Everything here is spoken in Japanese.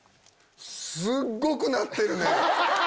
すっごくなってるね！